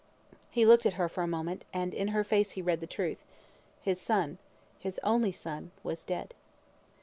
He looked at her for a moment, and in her face he read the truth. His son, his only son, was dead.